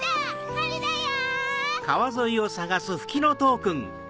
はるだよ！